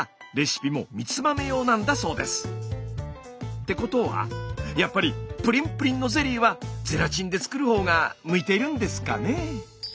ってことはやっぱりプリンプリンのゼリーはゼラチンで作るほうが向いているんですかね。